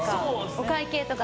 お会計とか。